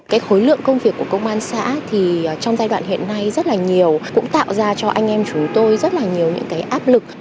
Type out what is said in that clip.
khối lượng công việc của công an xã trong giai đoạn hiện nay rất nhiều cũng tạo ra cho anh em chúng tôi rất nhiều áp lực